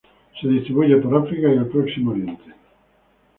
Se distribuye por África y el Próximo Oriente.